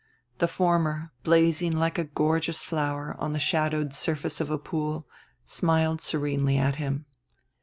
The former, blazing like a gorgeous flower on the shadowed surface of a pool, smiled serenely at him.